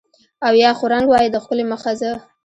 او یا خو رنګ وای د ښکلي مخ زه